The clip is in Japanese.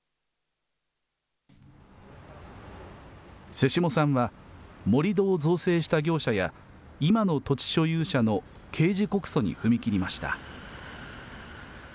瀬下さんは、盛り土を造成した業者や、今の土地所有者の刑事告訴に踏み切りました。